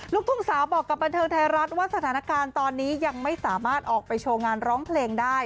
ลูกทุ่งสาวบอกกับบันเทิงไทยรัฐว่าสถานการณ์ตอนนี้ยังไม่สามารถออกไปโชว์งานร้องเพลงได้